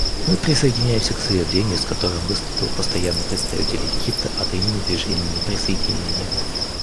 Мы присоединяемся к заявлению, с которым выступил Постоянный представитель Египта от имени Движения неприсоединения.